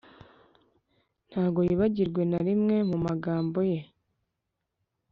ntago yibagirwe na rimwe mu magambo ye: